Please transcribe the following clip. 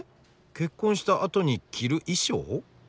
結婚したあとに着る衣装？